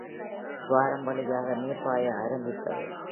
துவாரம் வழியாக நீர் பாய ஆரம்பித்தது.